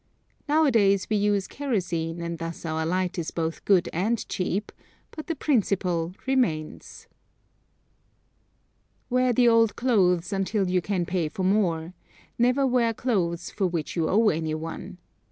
Nowadays we use kerosene and thus our light is both good and cheap, but the principle remains. Wear the old clothes until you can pay for more; never wear clothes for which you owe anyone.